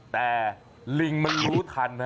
แต่ลิงมันรู้ทันฮะ